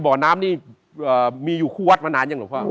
บ่อน้ำนี่มีอยู่คู่วัดมานานยังหลวงพ่อ